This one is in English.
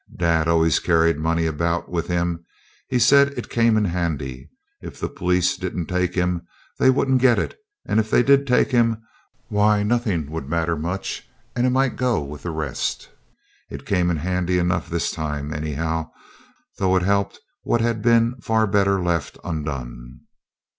Dad always carried money about with him; he said it came in handy. If the police didn't take him, they wouldn't get it; and if they did take him, why, nothing would matter much and it might go with the rest. It came in handy enough this time, anyhow, though it helped what had been far better left undone.